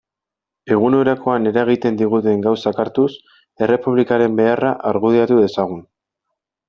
Egunerokoan eragiten diguten gauzak hartuz, Errepublikaren beharra argudiatu dezagun.